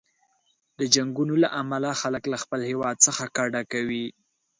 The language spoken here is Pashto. د جنګونو له امله خلک له خپل هیواد څخه کډه کوي.